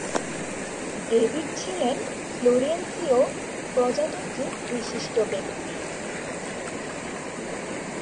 David ছিলেন ফ্লোরেন্সিয় প্রজাতন্ত্রের বিশিষ্ট ব্যক্তি।